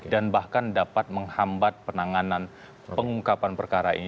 bahkan dapat menghambat penanganan pengungkapan perkara ini